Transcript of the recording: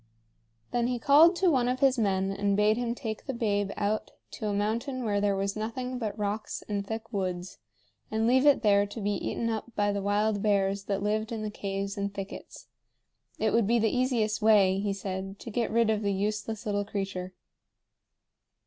Then he called to one of his men and bade him take the babe out to a mountain where there was nothing but rocks and thick woods, and leave it there to be eaten up by the wild bears that lived in the caves and thickets. It would be the easiest way, he said, to get rid of the useless little creature.